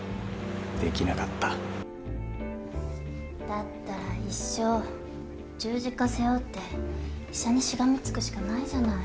だったら一生十字架背負って医者にしがみつくしかないじゃない。